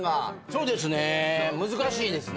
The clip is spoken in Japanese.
そうですね難しいですね。